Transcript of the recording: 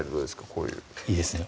こういういいですね